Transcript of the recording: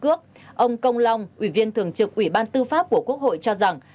ông công long ủy viên thường trực ủy ban tư pháp của quốc hội cho rằng